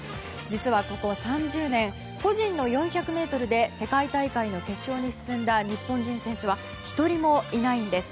実は、ここ３０年個人の４００ｍで世界大会の決勝に進んだ日本人選手は１人もいないんです。